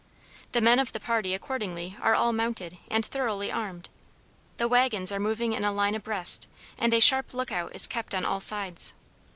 The men of the party accordingly are all mounted and thoroughly armed, the wagons are moving in a line abreast, and a sharp lookout is kept on all sides.